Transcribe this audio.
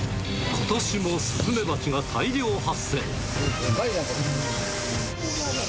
ことしもスズメバチが大量発